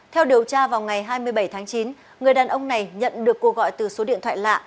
theo điều tra vào ngày hai mươi bảy tháng chín người đàn ông này nhận được cô gọi từ số điện thoại lạ